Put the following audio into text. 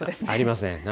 ありますね。